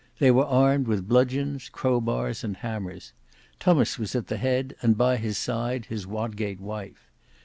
They were armed with bludgeons, crowbars, and hammers. Tummas was at the head and by his side his Wodgate wife.